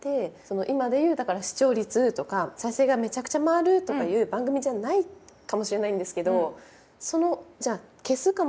今で言うだから視聴率とか再生がめちゃくちゃ回るとかいう番組じゃないかもしれないんですけど確かに。